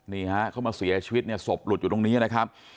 นี่ฮะเขามาเสียชีวิตเนี่ยศพหลุดอยู่ตรงนี้นะครับ